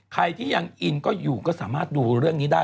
ใครที่ยังอินก็อยู่ก็สามารถดูเรื่องนี้ได้